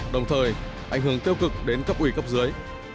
đồng thời ảnh hưởng tiêu cực đến cấp ủy cấp dưới